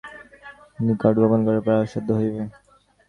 ব্যাপারটা কিরূপ চলিতেছে তাহা তাঁহার নিকট গোপন করা প্রায় অসাধ্য হইবে।